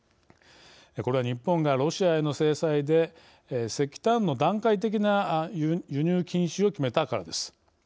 これは日本がロシアへの制裁で石炭の段階的な輸入禁止を決めたからです。